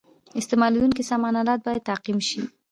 استعمالیدونکي سامان آلات باید تعقیم شي.